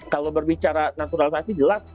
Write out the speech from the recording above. kalau berbicara naturalisasi jelas